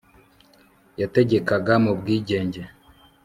Yategekaga mu bwigenge